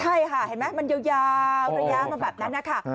ใช่ค่ะเห็นไหมมันยาวระยะมาแบบนั้นนะคะ